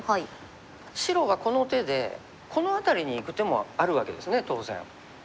白はこの手でこの辺りにいく手もあるわけですね当然。